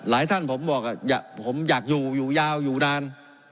ท่านผมบอกผมอยากอยู่อยู่ยาวอยู่นาน